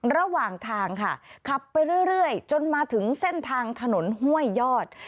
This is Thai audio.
ระหว่างทางค่ะขับไปเรื่อยจนมาถึงเส้นทางถนนห้วยยอด